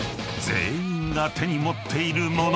［全員が手に持っている物］